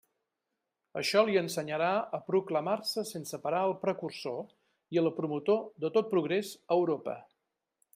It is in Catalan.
Això li ensenyarà a proclamar-se sense parar el precursor i el promotor de tot progrés a Europa.